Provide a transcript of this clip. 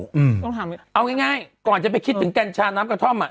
บ๊วยเอาง่ายป่ะก่อนจะไปคิดถึงแก้ญชาน้ำกระท่อม